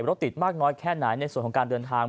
รถติดมากน้อยแค่ไหนในส่วนของการเดินทาง